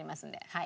はい。